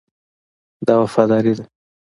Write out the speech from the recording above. دا وفاداري ده.